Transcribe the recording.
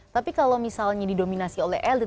tapi kalau misalnya didominasi oleh elit